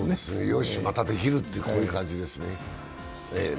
よし、まだできると、こういう感じですね。